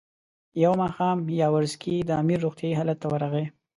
یو ماښام یاورسکي د امیر روغتیایي حالت ته ورغی.